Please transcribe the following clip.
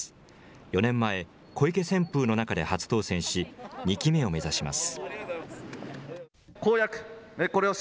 ４年前、小池旋風の中で初当選し、２期目を目指します。